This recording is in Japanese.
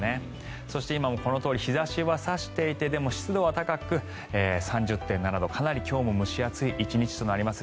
そして今もこのとおり日差しは差していてでも湿度は高く３０．７度となり今日も蒸し暑い１日となります。